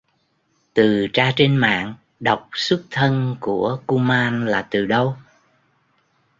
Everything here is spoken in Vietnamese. Từ tra trên mạng đọc xuất thân của kuman là từ đâu